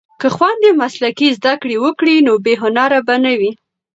که خویندې مسلکي زده کړې وکړي نو بې هنره به نه وي.